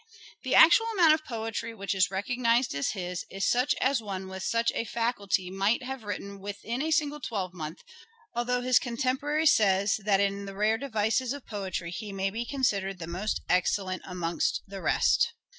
The actual amount of poetry which is recognized as his is such as one with such a faculty might have written within a single twelvemonth, although his contemporary says that " in the rare devices of poetry he may be considered the most excellent amongst the rest."